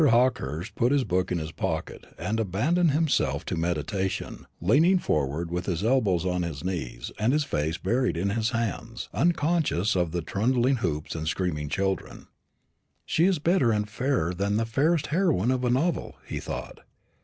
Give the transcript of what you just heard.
Hawkehurst put his book in his pocket, and abandoned himself to meditation, leaning forward with his elbows on his knees and his face buried in his hands, unconscious of the trundling hoops and screaming children. "She is better and fairer than the fairest heroine of a novel," he thought.